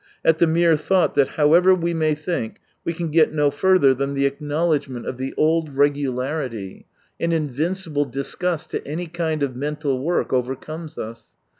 At the mere thought that, however we may think, we can get no further than the acknowledgment of 178 the old regularity, an invincible disgust to any kind of mental work overcomes us.